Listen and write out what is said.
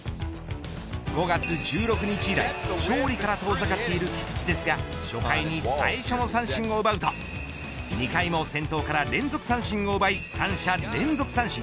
５月１６日以来、勝利から遠ざかっている菊池ですが初回に最初の三振を奪うと２回も先頭から連続三振を奪い三者連続三振。